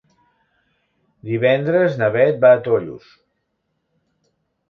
Divendres na Bet va a Tollos.